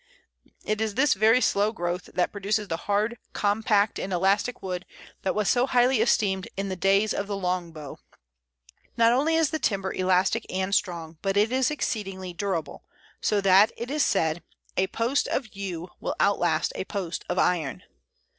It is this very slow growth that produces the hard, compact, and elastic wood that was so highly esteemed in the days of the long bow. Not only is the timber elastic and strong, but it is exceedingly durable, so that it is said, "A post of Yew will outlast a post of iron."